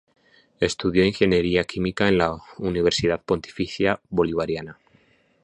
Estudió ingeniería química en la Universidad Pontificia Bolivariana.